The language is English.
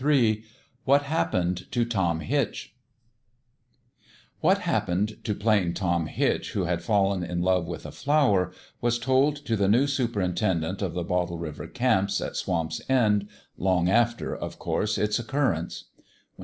XXIII WHAT: HAPPENED TO TOM HITCH WHAT happened to Plain Tom Hitch, who had fallen in love with a flower, was told to the new superintendent of the Bottle River camps, at Swamp's End, long after, of course, its occurrence.